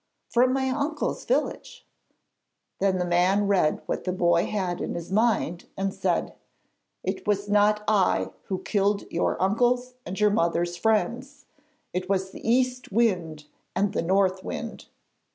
'From my uncle's village.' Then the man read what the boy had in his mind and said: 'It was not I who killed your uncles and your mother's friends; it was the East Wind and the North Wind.'